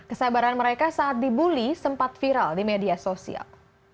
kesabaran mereka saat dibully sempat viral di media sosial